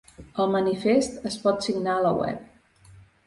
El manifest es pot signar a la web.